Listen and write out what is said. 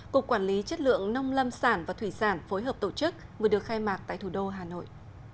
cục quản lý chất lượng nông lâm sản và thủy sản phối hợp tổ chức vừa được khai mạc tại thủ đô hà nội